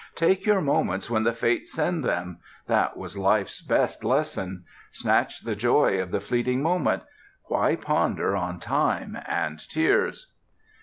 Take your moments when the fates send them; that was life's best lesson. Snatch the joy of the fleeting moment. Why ponder on time and tears?